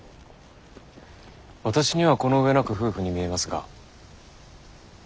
私にはこの上なく夫婦に見えますが。